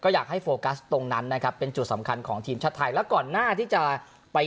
อยากให้โฟกัสตรงนั้นนะครับเป็นจุดสำคัญของทีมชาติไทยแล้วก่อนหน้าที่จะไป